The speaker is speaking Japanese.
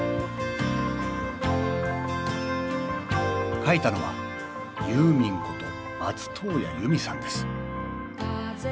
書いたのは「ユーミン」こと松任谷由実さんです。